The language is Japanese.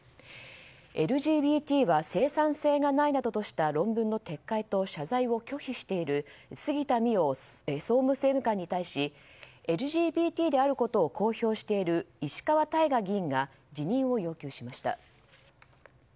ＬＧＢＴは生産性がないなどとした論文の撤回と謝罪を拒否している杉田水脈総理政務官に対しＬＧＢＴであることを公表している石川大我議員が辞任を要求しました。